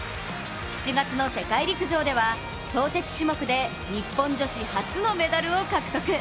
７月の世界陸上では投てき種目で日本女子初のメダルを獲得。